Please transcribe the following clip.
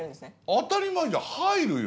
当たり前じゃん入るよ！